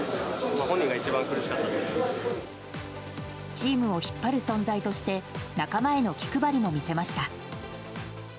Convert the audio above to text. チームを引っ張る存在として仲間への気配りも見せました。